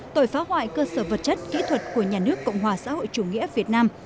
tội phá hoại cơ sở vật chất kỹ thuật của nhà nước cộng hòa xã hội chủ nghĩa việt nam